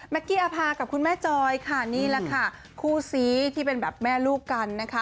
กี้อภากับคุณแม่จอยค่ะนี่แหละค่ะคู่ซีที่เป็นแบบแม่ลูกกันนะคะ